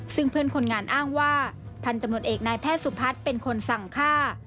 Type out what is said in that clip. ซึ่งเพื่อนคนงานอ้างว่าพันธุ์ตำรวจเอกนายแพทย์สุพัฒน์เป็นคนสั่งฆ่า